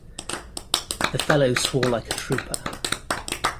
The fellow swore like a trooper.